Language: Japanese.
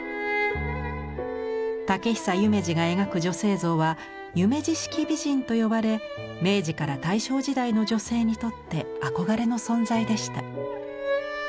竹久夢二が描く女性像は「夢二式美人」と呼ばれ明治から大正時代の女性にとって憧れの存在でした。